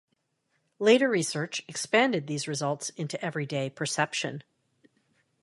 Later research expanded these results into everyday perception.